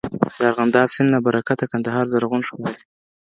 د ارغنداب سیند له برکته کندهار زرغون ښکاري.